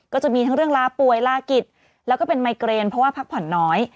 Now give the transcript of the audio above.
ก็จะมีทั้งเรื่องลาป่วยลากิจแล้วก็เป็นไมเกรนเพราะว่าพักผ่อนน้อย